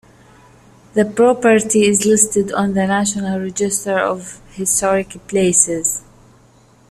The property is listed on the National Register of Historic Places.